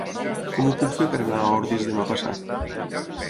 Com ho puc fer per anar a Ordis demà passat?